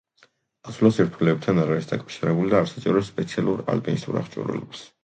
ასვლა სირთულეებთან არ არის დაკავშირებული და არ საჭიროებს სპეციალურ ალპინისტურ აღჭურვილობას.